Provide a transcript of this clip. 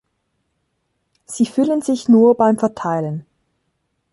Sie füllen sich nur beim Verteilen.